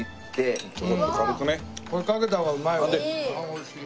おいしい。